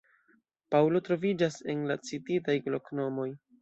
Paŭlo troviĝas en la cititaj loknomoj.